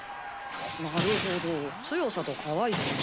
なるほど強さとかわいさね。